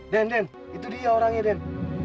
den den itu dia orangnya den